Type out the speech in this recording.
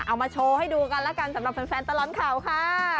เอามาโชว์ให้ดูกันแล้วกันสำหรับแฟนตลอดข่าวค่ะ